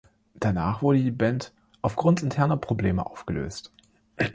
Danach wurde die Band aufgrund interner Probleme aufgelöst.